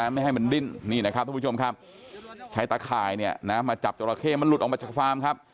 ไม่ให้มันดิ้นนี่นะครับทุกผู้ชมครับใช้ตะข่ายเนี่ยนะมาจับจราเข้มันหลุดออกมาจากฟาร์มครับ